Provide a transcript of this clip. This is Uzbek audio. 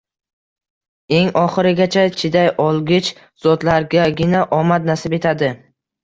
Eng oxirigacha chiday olgich zotlargagina omad nasib etadi.